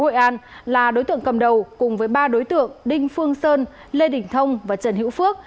nguyễn an là đối tượng cầm đầu cùng với ba đối tượng đinh phương sơn lê đình thông và trần hữu phước